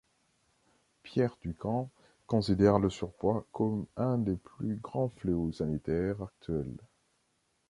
Pierre Dukan considère le surpoids comme un des plus grands fléaux sanitaires actuels.